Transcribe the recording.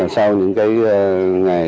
sau những ngày